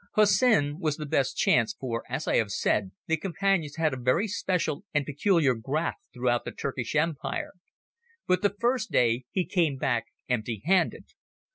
Hussin was the best chance, for, as I have said, the Companions had a very special and peculiar graft throughout the Turkish Empire. But the first day he came back empty handed.